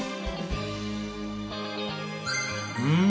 うん！